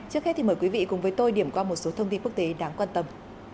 trước hết thì mời quý vị cùng với tôi điểm qua một số thông tin quốc tế đáng quan tâm